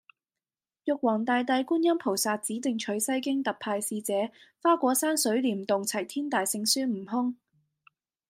玉皇大帝觀音菩薩指定取西經特派使者花果山水簾洞齊天大聖孫悟空